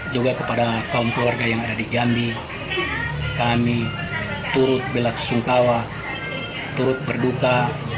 juga kepada kaum keluarga yang ada di jambi kami turut belaksungkawa turut berduka